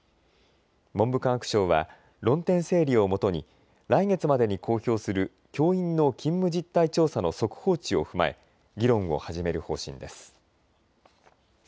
文部科学省は論点整理をもとに来月までに公表する教員の勤務実態調査の速報値を踏まえ議論を始める方針です。